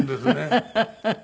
フフフフ。